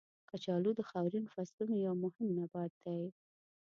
کچالو د خاورین فصلونو یو مهم نبات دی.